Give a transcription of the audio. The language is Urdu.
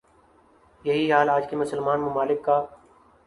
یہی حال آج کے مسلمان ممالک کا